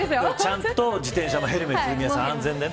ちゃんと、ヘルメットも皆さん安全でね。